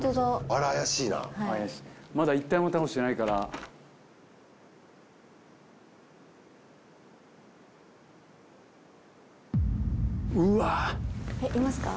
あれ怪しいな怪しいまだ１体も倒してないからうわえっいますか？